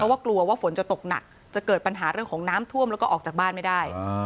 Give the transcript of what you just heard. ว่ากลัวว่าฝนจะตกหนักจะเกิดปัญหาเรื่องของน้ำท่วมแล้วก็ออกจากบ้านไม่ได้